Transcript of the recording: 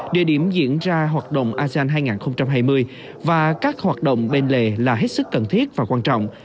địa điểm diễn ra hoạt động asean hai nghìn hai mươi và các hoạt động bên lề là hết sức cần thiết và quan trọng